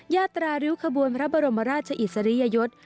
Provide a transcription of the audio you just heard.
ยาตราริ้วขบวนพระบรมราชอิสริยยศ